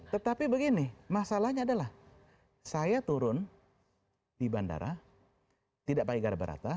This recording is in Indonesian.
tetapi begini masalahnya adalah saya turun di bandara tidak pakai garam berata